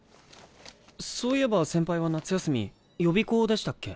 そういえば先輩は夏休み予備校でしたっけ？